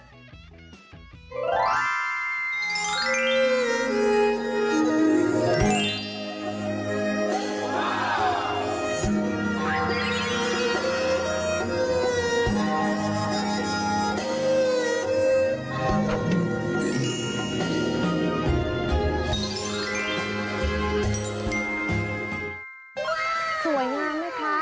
หว่าสวยงามหรือคะ